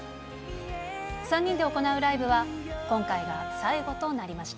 ３人で行うライブは、今回が最後となりました。